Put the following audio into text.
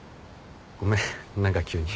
ごめん何か急に。